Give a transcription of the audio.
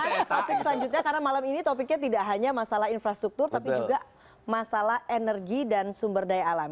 tapi topik selanjutnya karena malam ini topiknya tidak hanya masalah infrastruktur tapi juga masalah energi dan sumber daya alam